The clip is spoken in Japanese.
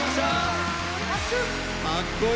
かっこいい。